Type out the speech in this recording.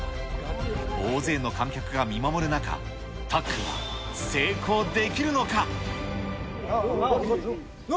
大勢の観客が見守る中、たっくんは成功できるのか？